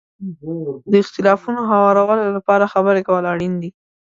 د اختلافاتو هوارولو لپاره خبرې کول اړین دي.